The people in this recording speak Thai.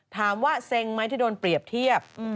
ถามว่าเซ็งไหมที่โดนเปรียบเทียบ